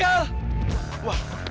aku mau ngapain